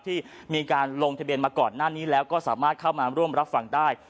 ที่มีการลงทะเบียนมาก่อนหน้านี้แล้วก็สามารถเข้ามาร่วมรับฟังได้